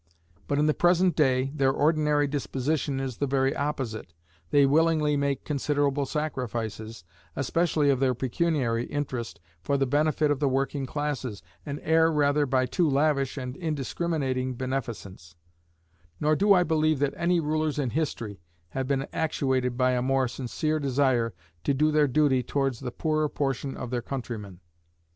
But in the present day, their ordinary disposition is the very opposite: they willingly make considerable sacrifices, especially of their pecuniary interest, for the benefit of the working classes, and err rather by too lavish and indiscriminating beneficence; nor do I believe that any rulers in history have been actuated by a more sincere desire to do their duty towards the poorer portion of their countrymen.